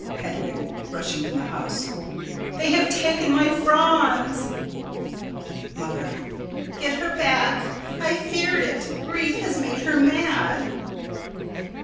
_] Hedwig: [Rushing from the house.] They have taken my Franz! Mother: Get her back! I feared it. Grief has made her mad.